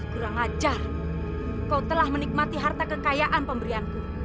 kurang ajar kau telah menikmati harta kekayaan pemberianku